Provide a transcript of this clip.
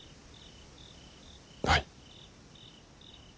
はい。